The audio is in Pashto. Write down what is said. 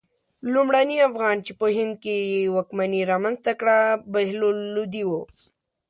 لومړني افغان چې په هند کې واکمني رامنځته کړه بهلول لودی و.